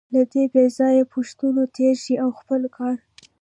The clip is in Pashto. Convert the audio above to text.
له دې بېځایه پوښتنو تېر شئ او خپل کار.